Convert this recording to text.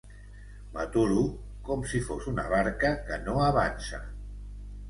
M'aturo, com si fos una barca que no avança.